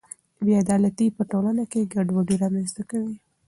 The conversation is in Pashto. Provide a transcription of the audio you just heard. بې عدالتي په ټولنه کې ګډوډي رامنځته کوي.